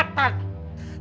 ente udah kelihatan